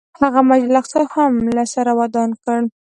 هغه مسجد الاقصی هم له سره ودان کړ.